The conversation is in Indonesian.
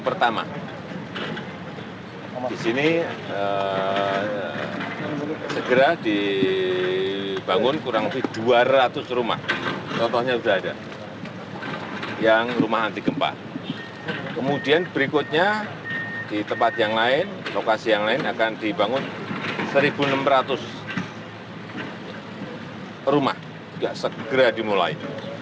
rumah juga segera dimulai